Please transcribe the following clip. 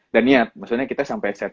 dan niat maksudnya kita sampai set